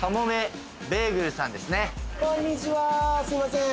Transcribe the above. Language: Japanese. こんにちはすいません